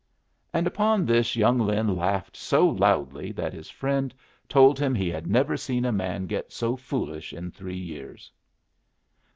And upon this young Lin laughed so loudly that his friend told him he had never seen a man get so foolish in three years.